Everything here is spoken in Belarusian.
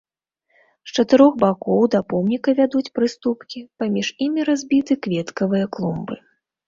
З чатырох бакоў да помніка вядуць прыступкі, паміж імі разбіты кветкавыя клумбы.